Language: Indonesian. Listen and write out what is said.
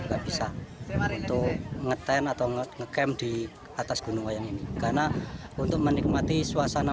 juga bisa untuk ngetrend atau ngecam di atas gunung wayang ini karena untuk menikmati suasana